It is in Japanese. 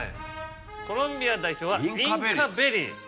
コロンビア代表はインカベリー。